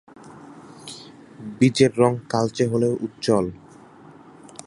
বীজের রং কালচে হলেও উজ্জ্বল।